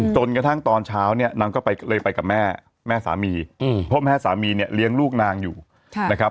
จนกระทั่งตอนเช้าเนี่ยนางก็เลยไปกับแม่แม่สามีเพราะแม่สามีเนี่ยเลี้ยงลูกนางอยู่นะครับ